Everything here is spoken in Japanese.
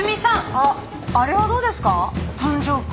あっあれはどうですか？